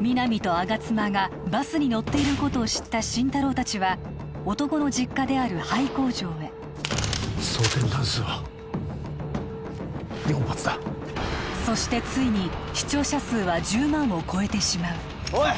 皆実と吾妻がバスに乗っていることを知った心太朗達は男の実家である廃工場へ装填弾数は４発だそしてついに視聴者数は１０万を超えてしまうおい